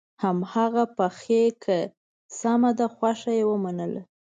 هماغه پخې کړه سمه ده خوښه یې ومنله.